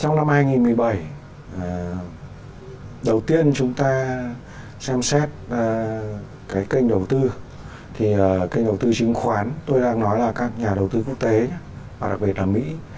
trong năm hai nghìn một mươi bảy đầu tiên chúng ta xem xét cái kênh đầu tư thì kênh đầu tư chứng khoán tôi đang nói là các nhà đầu tư quốc tế và đặc biệt là mỹ